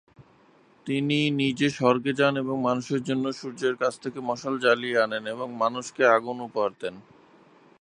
তিনি নিজে স্বর্গে যান এবং মানুষের জন্য সূর্যের কাছ থেকে মশাল জ্বালিয়ে আনেন এবং মানুষকে আগুন উপহার দেন।